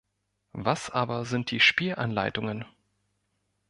Was aber sind die Spielanleitungen?